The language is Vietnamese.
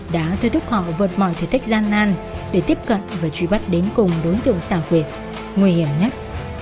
đã thuê thúc họ vượt mọi thử thách gian nan để tiếp cận và truy bắt đến cùng đối tượng xà huyệt nguy hiểm nhất